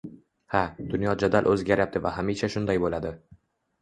Ha, dunyo jadal oʻzgaryapti va hamisha shunday boʻladi.